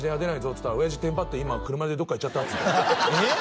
っつったら「親父テンパって今車でどっか行っちゃった」っつってえっ？